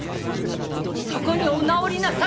そこにお直りなさい！